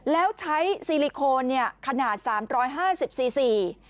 แล้วใช้ซีลิโคนเนี่ยขนาดสามร้อยห้าสิบซีซี